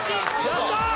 やったー！